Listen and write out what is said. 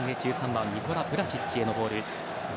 １３番、ニコラ・ヴラシッチへのボールでした。